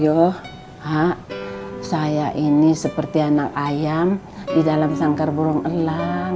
ya saya ini seperti anak ayam di dalam sangkar burung elang